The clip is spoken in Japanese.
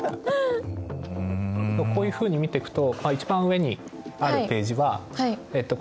こういうふうに見ていくと一番上にあるページはえっと